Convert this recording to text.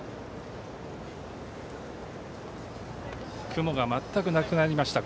雲が全くなくなりました。